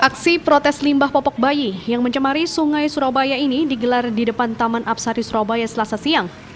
aksi protes limbah popok bayi yang mencemari sungai surabaya ini digelar di depan taman apsari surabaya selasa siang